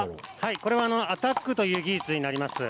これはアタックという技術になります。